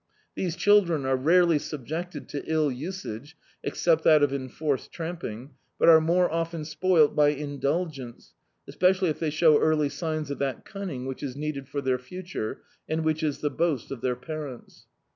These children are rarely subjected to ill usage— except that of enforced tramping — ^but are more often spoilt by indulgence, especially if they show early signs of that cimning which is needed for their future, and which is the boast of their parents.